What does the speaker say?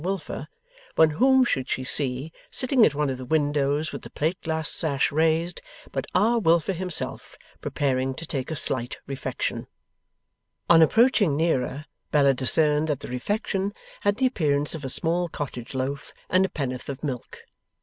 Wilfer, when whom should she see, sitting at one of the windows with the plate glass sash raised, but R. Wilfer himself, preparing to take a slight refection. On approaching nearer, Bella discerned that the refection had the appearance of a small cottage loaf and a pennyworth of milk.